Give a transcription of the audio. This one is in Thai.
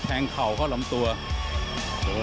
มันต้องอย่างงี้มันต้องอย่างงี้